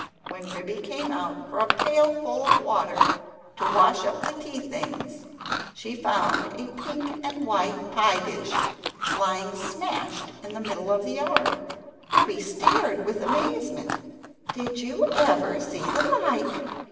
When Ribby came out for a pailful of water to wash up the tea things, she found a pink and white pie dish lying smashed in the middle of the yard. Ribby stared with amazement "Did you ever see the like!